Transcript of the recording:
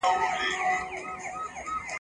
دونه پوچ کلمات !.